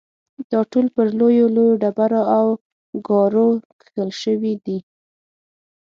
دا ټول پر لویو لویو ډبرو او ګارو کښل شوي دي.